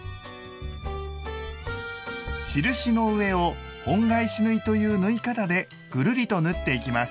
印の上を「本返し縫い」という縫い方でぐるりと縫っていきます。